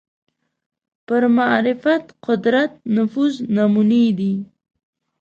پر معرفت قدرت نفوذ نمونې دي